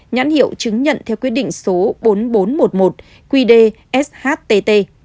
nhãn hiệu chứng nhận theo quyết định số bốn nghìn bốn trăm một mươi một qdshtt